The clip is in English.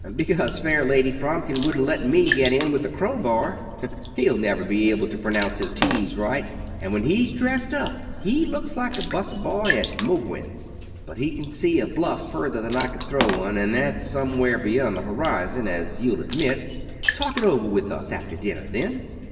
"Because, fair lady, Fromkin wouldn't let me get in with a crowbar. He'll never be able to pronounce his t's right, and when he's dressed up he looks like a 'bus boy at Mouquin's, but he can see a bluff farther than I can throw one and that's somewhere beyond the horizon, as you'll admit. Talk it over with us after dinner then?"